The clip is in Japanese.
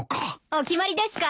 お決まりですか？